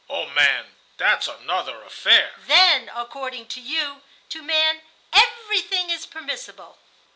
"Oh, man,—that's another affair." "Then, according to you, to man everything is permissible?"